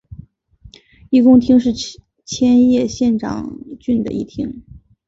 一宫町是千叶县长生郡的一町。